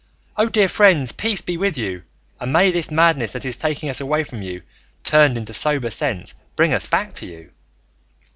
O dear friends, peace be with you, and may this madness that is taking us away from you, turned into sober sense, bring us back to you."